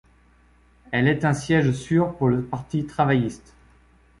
Elle est un siège sûr pour le parti travailliste.